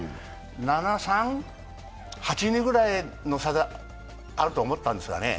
７・３、８・２ぐらいの差があると思ったんですがね。